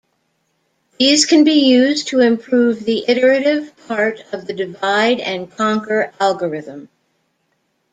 These can be used to improve the iterative part of the divide-and-conquer algorithm.